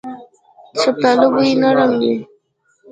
د شفتالو بوی نرم وي.